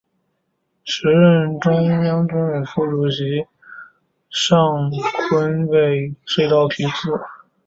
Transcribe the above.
时任中央军委副主席杨尚昆为隧道题字。